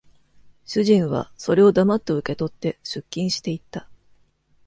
主人は、それを黙って受け取って、出勤して行った。